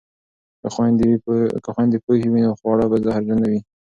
که خویندې پوهې وي نو خواړه به زهرجن نه وي.